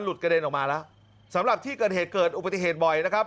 กระเด็นออกมาแล้วสำหรับที่เกิดเหตุเกิดอุบัติเหตุบ่อยนะครับ